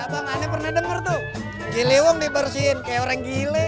kayak apa makanya pernah denger tuh gilewong dibersihin kayak orang gile